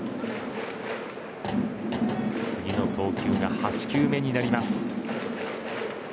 次の投球が８球目になります。